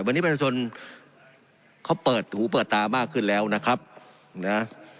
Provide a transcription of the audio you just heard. วันนี้ประชาชนเขาเปิดหูเปิดตามากขึ้นแล้วนะครับนะ